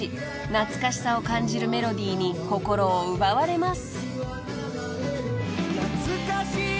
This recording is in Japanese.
懐かしさを感じるメロディーに心を奪われます］